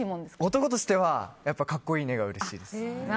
男としてはやっぱり恰好いいねがうれしいです。